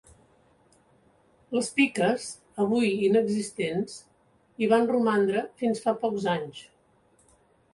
Les piques, avui inexistents, hi van romandre fins fa pocs anys.